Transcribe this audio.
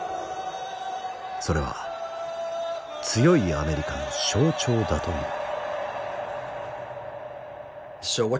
それは強いアメリカの象徴だという。